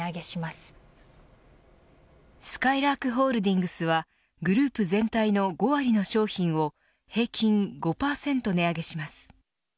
すかいらーくホールディングスはグループ全体の５割の商品を平均５％値上げします。